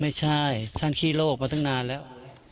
ไม่ใช่ท่านขี้โลกมาตั้งนานแล้ว